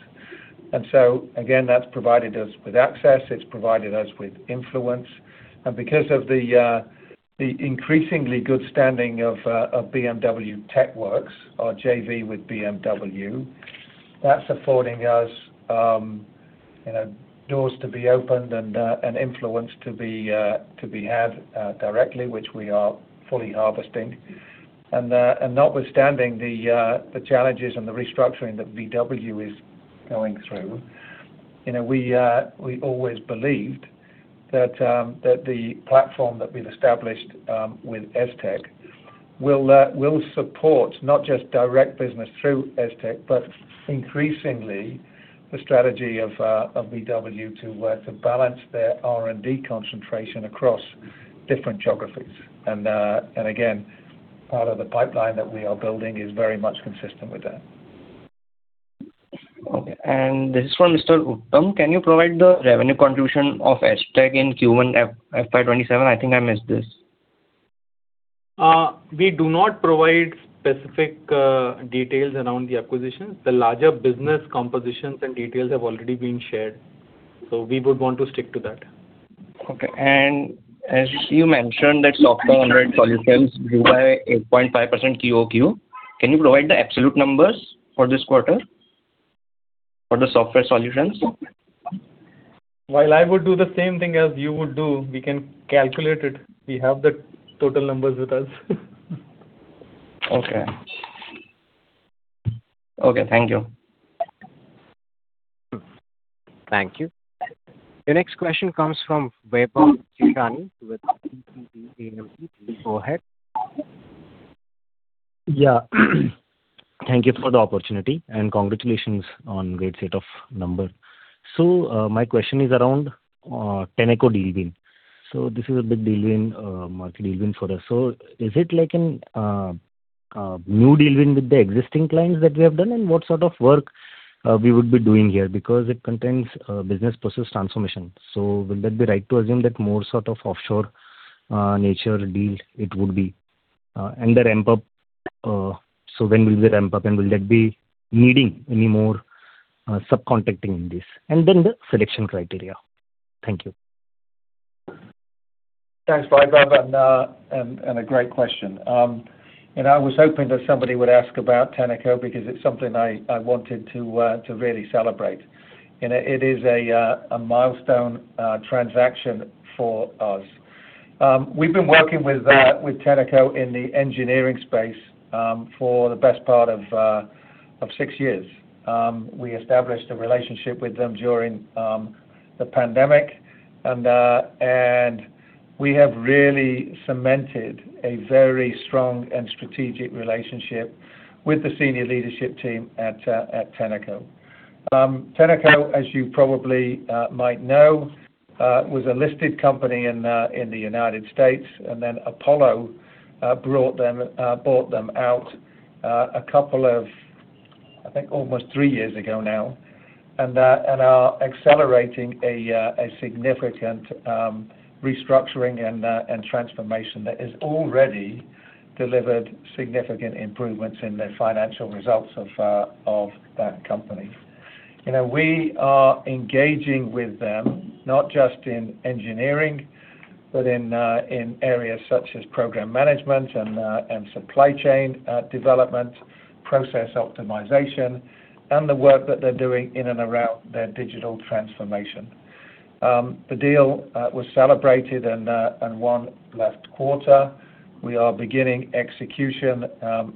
Again, that's provided us with access, it's provided us with influence. Because of the increasingly good standing of BMW TechWorks, our JV with BMW, that's affording us doors to be opened and influence to be had directly, which we are fully harvesting. Notwithstanding the challenges and the restructuring that VW is going through, we always believed that the platform that we’ve established with Es-Tec will support not just direct business through Es-Tec, but increasingly the strategy of VW to balance their R&D concentration across different geographies. Again, part of the pipeline that we are building is very much consistent with that. Okay. This is for Mr. Uttam. Can you provide the revenue contribution of Es-Tec in Q1 FY 2027? I think I missed this. We do not provide specific details around the acquisitions. The larger business compositions and details have already been shared. We would want to stick to that. Okay. As you mentioned that software-enabled solutions grew by 8.5% QOQ, can you provide the absolute numbers for this quarter, for the software solutions? Well, I would do the same thing as you would do. We can calculate it. We have the total numbers with us. Okay. Okay. Thank you. Thank you. Your next question comes from Vaibhav Chechani with TCG Asset Management. Please go ahead. Yeah. Thank you for the opportunity. Congratulations on great set of numbers. My question is around Tenneco deal win. This is a big multi-deal win for us. Is it like a new deal win with the existing clients that we have done, and what sort of work we would be doing here? Because it contains business process transformation. Will that be right to assume that more sort of offshore nature deal it would be? The ramp-up, so when will they ramp up, and will that be needing any more subcontracting in this? The selection criteria. Thank you. Thanks, Vaibhav, a great question. I was hoping that somebody would ask about Tenneco because it's something I wanted to really celebrate. It is a milestone transaction for us. We've been working with Tenneco in the engineering space for the best part of six years. We established a relationship with them during the pandemic, and we have really cemented a very strong and strategic relationship with the senior leadership team at Tenneco. Tenneco, as you probably might know, was a listed company in the U.S., Apollo bought them out a couple of, I think almost three years ago now, and are accelerating a significant restructuring and transformation that has already delivered significant improvements in the financial results of that company. We are engaging with them not just in engineering, but in areas such as program management and supply chain development, process optimization, and the work that they're doing in and around their digital transformation. The deal was celebrated in one last quarter. We are beginning execution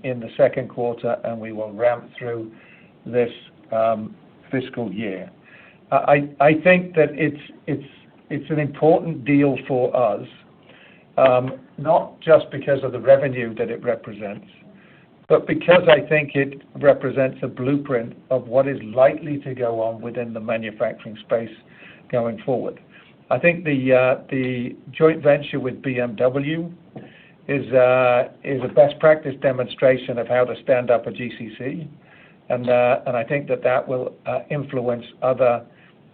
in the second quarter. We will ramp through this fiscal year. I think that it's an important deal for us, not just because of the revenue that it represents, because I think it represents a blueprint of what is likely to go on within the manufacturing space going forward. I think the joint venture with BMW is a best practice demonstration of how to stand up a GCC. I think that that will influence other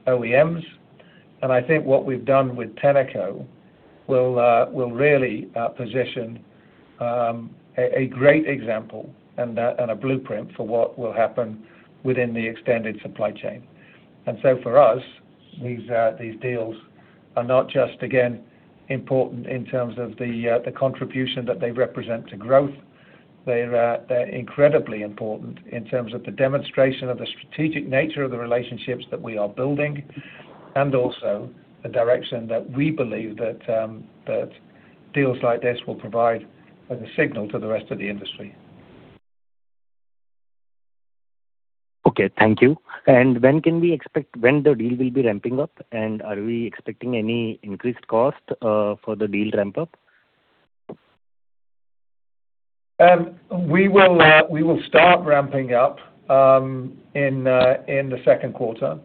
OEMs, and I think what we've done with Tenneco will really position a great example and a blueprint for what will happen within the extended supply chain. For us, these deals are not just, again, important in terms of the contribution that they represent to growth. They're incredibly important in terms of the demonstration of the strategic nature of the relationships that we are building, also the direction that we believe that deals like this will provide as a signal to the rest of the industry. Okay. Thank you. When can we expect when the deal will be ramping up? Are we expecting any increased cost for the deal ramp-up? We will start ramping up in the second quarter.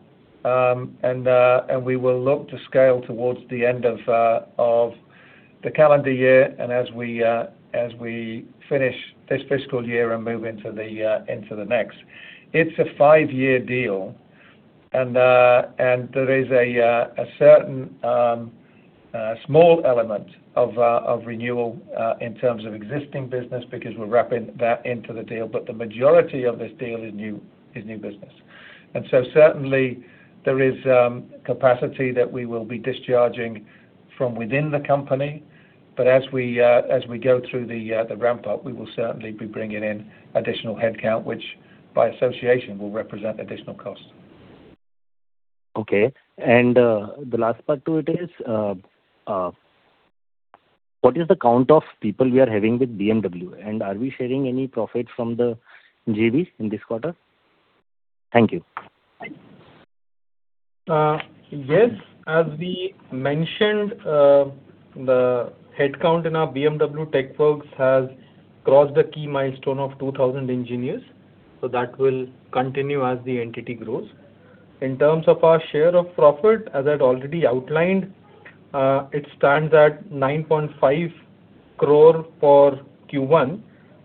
We will look to scale towards the end of the calendar year and as we finish this fiscal year and move into the next. It's a five-year deal. There is a certain small element of renewal in terms of existing business because we're wrapping that into the deal. The majority of this deal is new business. Certainly there is capacity that we will be discharging from within the company. As we go through the ramp-up, we will certainly be bringing in additional headcount, which by association will represent additional cost. Okay. The last part to it is, what is the count of people we are having with BMW, and are we sharing any profit from the JV in this quarter? Thank you. Yes. As we mentioned, the headcount in our BMW TechWorks has crossed the key milestone of 2,000 engineers. That will continue as the entity grows. In terms of our share of profit, as I'd already outlined, it stands at 9.5 crore for Q1.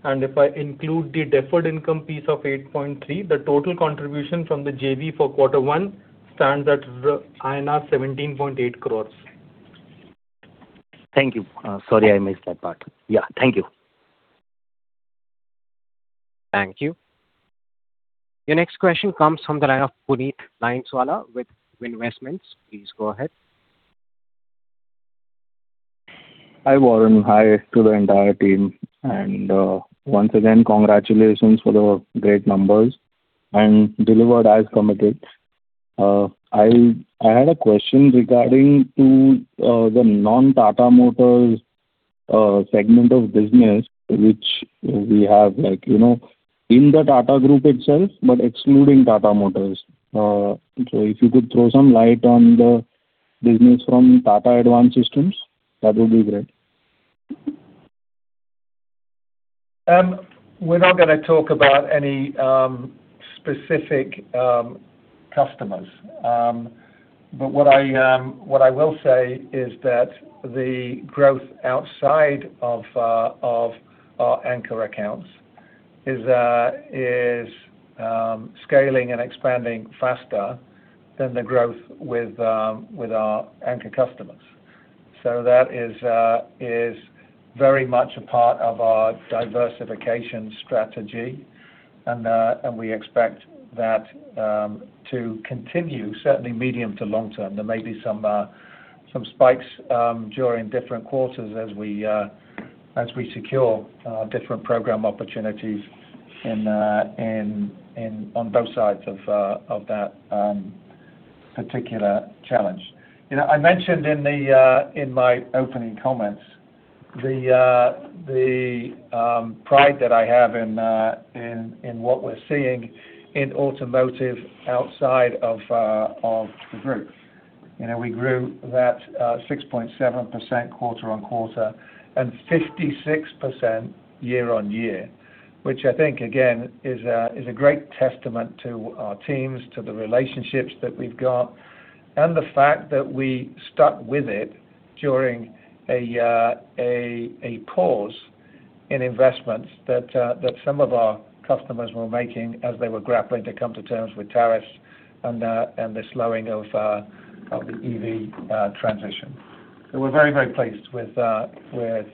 If I include the deferred income piece of 8.3, the total contribution from the JV for quarter one stands at INR 17.8 crores. Thank you. Sorry, I missed that part. Yeah, thank you. Thank you. Your next question comes from the line of Puneet Lineswala with WinVestments. Please go ahead. Hi, Warren. Hi to the entire team. Once again, congratulations for the great numbers, and delivered as committed. I had a question regarding to the non-Tata Motors segment of business which we have in the Tata Group itself, but excluding Tata Motors. If you could throw some light on the business from Tata Advanced Systems, that would be great. We're not going to talk about any specific customers. What I will say is that the growth outside of our anchor accounts is scaling and expanding faster than the growth with our anchor customers. That is very much a part of our diversification strategy, and we expect that to continue, certainly medium to long term. There may be some spikes during different quarters as we secure different program opportunities on both sides of that particular challenge. I mentioned in my opening comments the pride that I have in what we're seeing in automotive outside of the group. We grew that 6.7% quarter-on-quarter and 56% year-on-year, which I think, again, is a great testament to our teams, to the relationships that we've got. The fact that we stuck with it during a pause in investments that some of our customers were making as they were grappling to come to terms with tariffs and the slowing of the EV transition. We're very pleased with the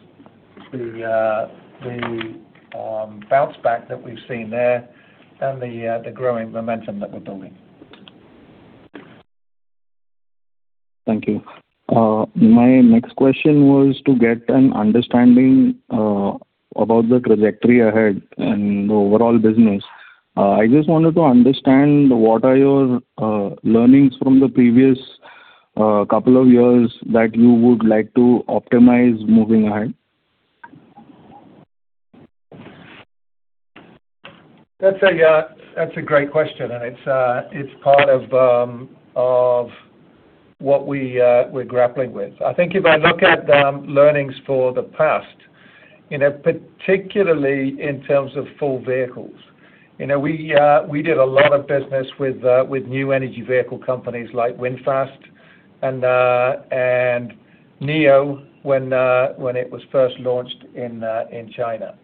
bounce back that we've seen there and the growing momentum that we're building. Thank you. My next question was to get an understanding about the trajectory ahead and overall business. I just wanted to understand what are your learnings from the previous couple of years that you would like to optimize moving ahead? That's a great question. It's part of what we're grappling with. I think if I look at learnings for the past, particularly in terms of full vehicles. We did a lot of business with new energy vehicle companies like VinFast and NIO when it was first launched in China.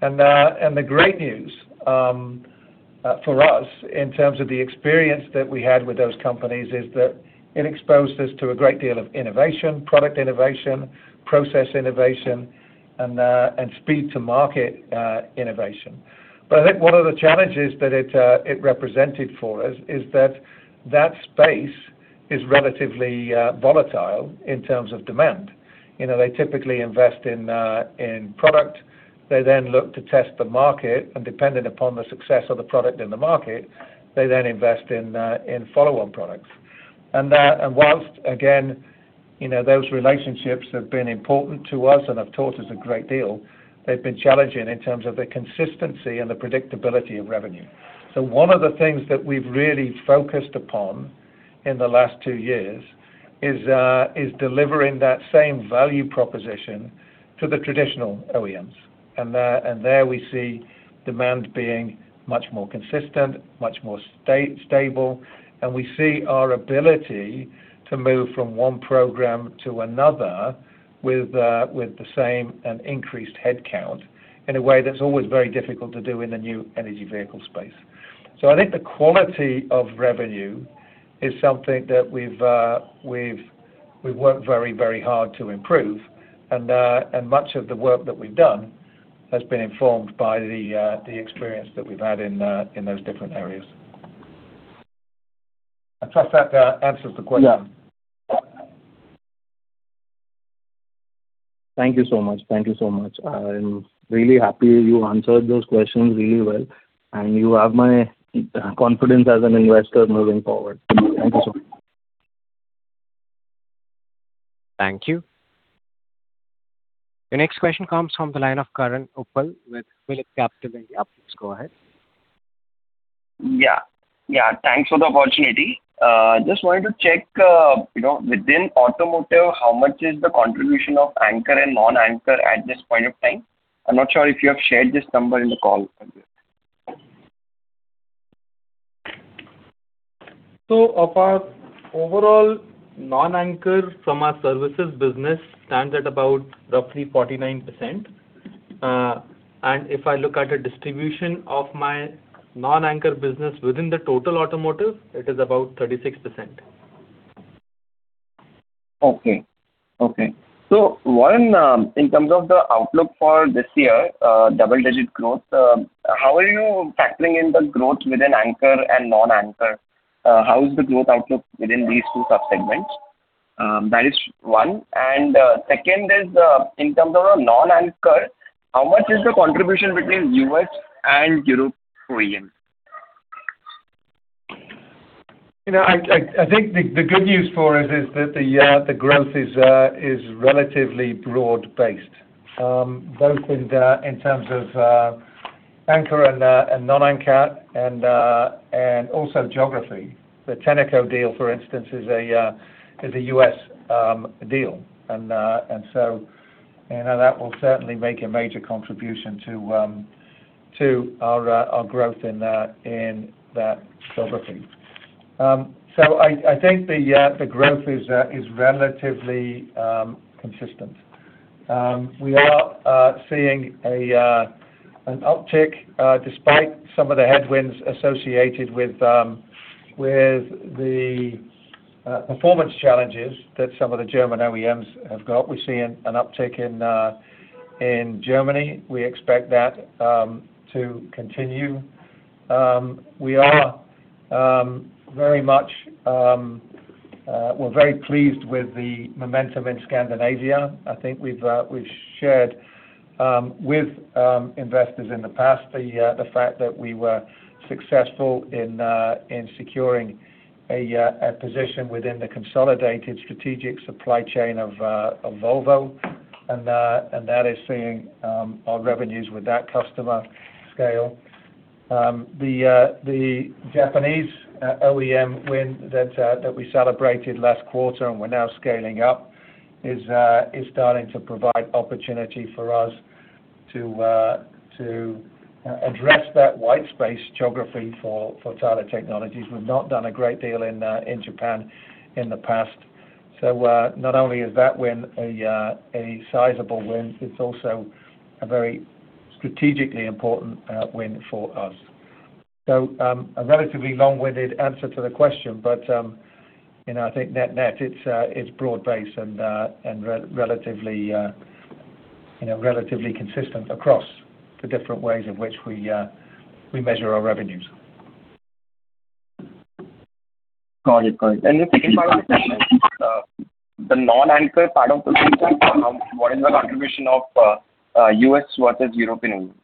The great news for us in terms of the experience that we had with those companies is that it exposed us to a great deal of innovation, product innovation, process innovation, and speed to market innovation. I think one of the challenges that it represented for us is that that space is relatively volatile in terms of demand. They typically invest in product. They then look to test the market, and depending upon the success of the product in the market, they then invest in follow-on products. Whilst, again, those relationships have been important to us and have taught us a great deal, they've been challenging in terms of the consistency and the predictability of revenue. One of the things that we've really focused upon in the last two years is delivering that same value proposition to the traditional OEMs. There we see demand being much more consistent, much more stable, and we see our ability to move from one program to another with the same and increased headcount in a way that's always very difficult to do in the new energy vehicle space. I think the quality of revenue is something that we've worked very hard to improve, and much of the work that we've done has been informed by the experience that we've had in those different areas. I trust that answers the question. Yeah. Thank you so much. I'm really happy you answered those questions really well, and you have my confidence as an investor moving forward. Thank you so much. Thank you. Your next question comes from the line of Karan Uppal with PhillipCapital India. Please go ahead. Yeah. Thanks for the opportunity. Just wanted to check within automotive, how much is the contribution of anchor and non-anchor at this point of time? I am not sure if you have shared this number in the call. Of our overall non-anchor from our services business stands at about roughly 49%. If I look at a distribution of my non-anchor business within the total automotive, it is about 36%. Okay. One, in terms of the outlook for this year, double-digit growth, how are you factoring in the growth within anchor and non-anchor? How is the growth outlook within these two sub-segments? That is one. Second is, in terms of non-anchor, how much is the contribution between U.S. and European? I think the good news for us is that the growth is relatively broad-based, both in terms of anchor and non-anchor, and also geography. The Tenneco deal, for instance, is a U.S. deal, and that will certainly make a major contribution to our growth in that geography. I think the growth is relatively consistent. We are seeing an uptick despite some of the headwinds associated with the performance challenges that some of the German OEMs have got. We're seeing an uptick in Germany. We expect that to continue. We're very pleased with the momentum in Scandinavia. I think we've shared with investors in the past the fact that we were successful in securing a position within the consolidated strategic supply chain of Volvo, and that is seeing our revenues with that customer scale. The Japanese OEM win that we celebrated last quarter and we're now scaling up is starting to provide opportunity for us to address that white space geography for Tata Technologies. We've not done a great deal in Japan in the past. Not only is that win a sizable win, it's also a very strategically important win for us. A relatively long-winded answer to the question, but I think net, it's broad based and relatively consistent across the different ways in which we measure our revenues. Got it. If I would like to ask, the non-anchor part of the contract, what is the contribution of U.S. versus European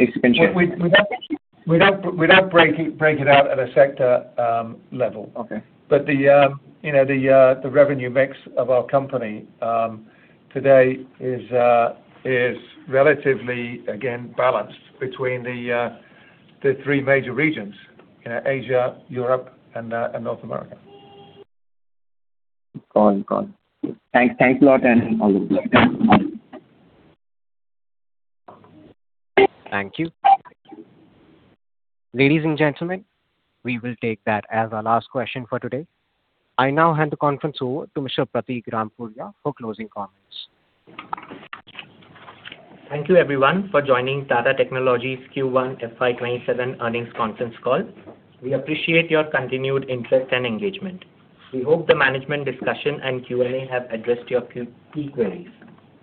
OEM expansion? Without breaking it out at a sector level. Okay. The revenue mix of our company today is relatively, again, balanced between the three major regions, Asia, Europe, and North America. Got it. Thanks a lot, and all the best. Thank you. Ladies and gentlemen, we will take that as our last question for today. I now hand the conference over to Mr. Prateek Rampuria for closing comments. Thank you, everyone, for joining Tata Technologies Q1 FY 2027 earnings conference call. We appreciate your continued interest and engagement. We hope the management discussion and Q&A have addressed your key queries.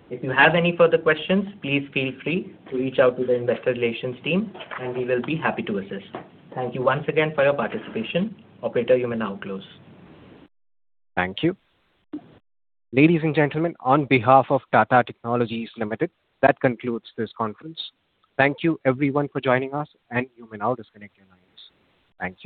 If you have any further questions, please feel free to reach out to the investor relations team, and we will be happy to assist. Thank you once again for your participation. Operator, you may now close. Thank you. Ladies and gentlemen, on behalf of Tata Technologies Limited, that concludes this conference. Thank you, everyone, for joining us, and you may now disconnect your lines. Thank you.